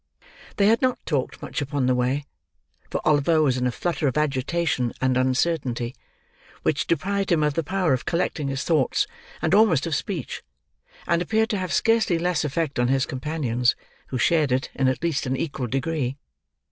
They had not talked much upon the way; for Oliver was in a flutter of agitation and uncertainty which deprived him of the power of collecting his thoughts, and almost of speech, and appeared to have scarcely less effect on his companions, who shared it, in at least an equal degree.